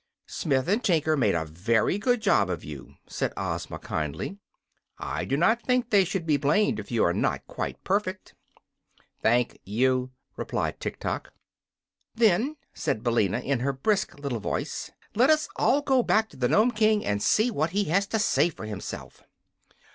"Smith & Tinker made a very good job of you," said Ozma, kindly. "I do not think they should be blamed if you are not quite perfect." "Thank you," replied Tiktok. "Then," said Billina, in her brisk little voice, "let us all go back to the Nome King, and see what he has to say for himself."